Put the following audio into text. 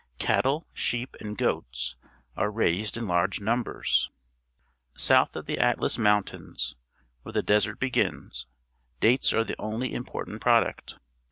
Cattle, sheep, and goats are raised in large numbers. South of the Atlas JNlountains, where the desert begins. Ploughing with Camels, Algeria dates are the only important product.